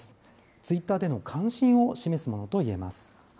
ツイッターでの関心を示すものといえます。